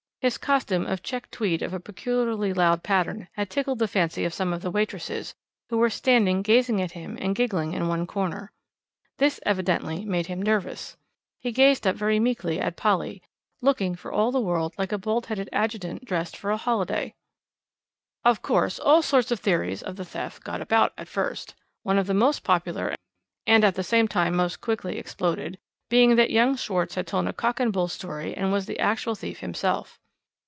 His costume of checked tweed of a peculiarly loud pattern had tickled the fancy of some of the waitresses, who were standing gazing at him and giggling in one corner. This evidently made him nervous. He gazed up very meekly at Polly, looking for all the world like a bald headed adjutant dressed for a holiday. "Of course, all sorts of theories of the theft got about at first. One of the most popular, and at the same time most quickly exploded, being that young Schwarz had told a cock and bull story, and was the actual thief himself.